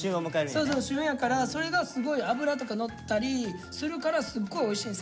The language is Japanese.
そうそう旬やからそれがすごい脂とかのったりするからすごいおいしい。